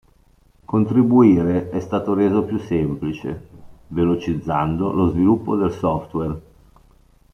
Contribuire è stato reso più semplice, velocizzando lo sviluppo del software.